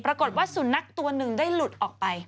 ปรากฏว่าสุนัขตัวหนึ่งได้หลุดออกไป